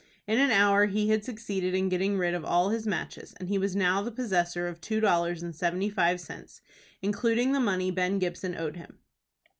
In an hour he had succeeded in getting rid of all his matches, and he was now the possessor of two dollars and seventy five cents, including the money Ben Gibson owed him.